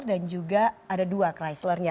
dan juga ada dua chryslernya